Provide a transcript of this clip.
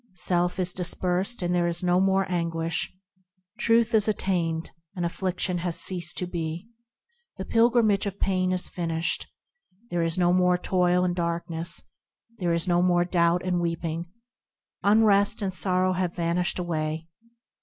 Self is dispersed and there is no more anguish; Truth is attained, and affliction has ceased to be ; The pilgrimage of pain is finished, There is no more toil and darkness, There is no more doubt and weeping, Unrest and sorrow have vanished away.